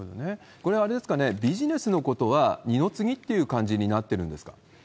これあれですかね、ビジネスのことは二の次という感じになってるんですか？